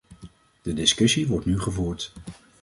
De discussie wordt nu gevoerd.